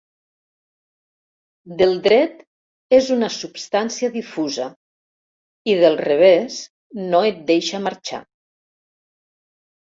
Del dret és una substància difusa i del revés no et deixa marxar.